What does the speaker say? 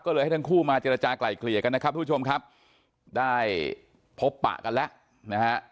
ก็เลยให้ทั้งคู่มาเจรจากลายเกลี่ยกันนะครับทุกผู้ชมครับได้พบปะกันแล้วนะฮะ